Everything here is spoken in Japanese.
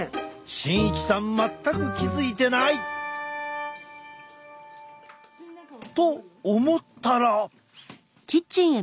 慎一さん全く気付いてない！と思ったら。